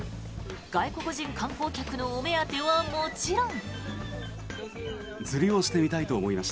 外国人観光客のお目当てはもちろん。